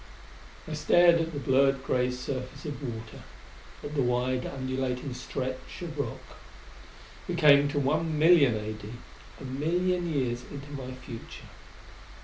I stared at that blurred gray surface of water; at the wide, undulating stretch of rock. We came to 1,000,000 A.D. a million years into my future.